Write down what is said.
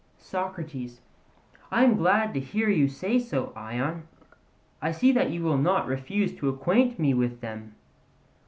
SOCRATES: I am glad to hear you say so, Ion; I see that you will not refuse to acquaint me with them.